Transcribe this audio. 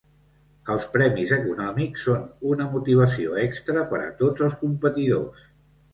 Els premis econòmics són una motivació extra per a tots els competidors.